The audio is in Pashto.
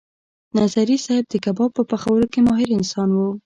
نظري صیب د کباب په پخولو کې ماهر انسان و.